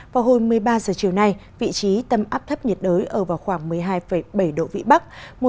vào hồi một mươi ba giờ chiều nay vị trí tâm áp thấp nhiệt đới ở vào khoảng một mươi hai bảy độ vĩ bắc